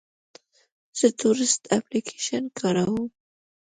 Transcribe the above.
زه تورسټ اپلیکیشن کاروم.